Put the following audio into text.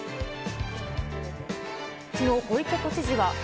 きのう小池都知事は。